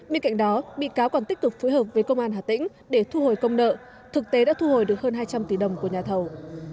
bên cạnh đó bị cáo còn tích cực phối hợp với công an hà tĩnh để thu hồi công nợ thực tế đã thu hồi được hơn hai trăm linh tỷ đồng của nhà thầu